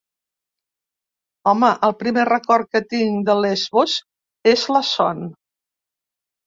Home, el primer record que tinc de Lesbos és la son.